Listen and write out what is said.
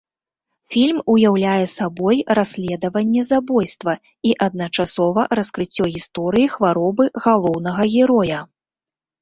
Фільм уяўляе сабой расследаванне забойства і, адначасова, раскрыццё гісторыі хваробы галоўнага героя.